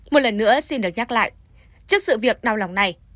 một lần nữa xin được nhắc lại trước sự việc đau lòng này